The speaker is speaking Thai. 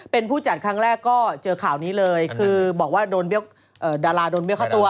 เป็นผู้จัดครั้งแรกก็เจอข่าวนี้เลยคือบอกว่าโดนดาราโดนเรียกเข้าตัว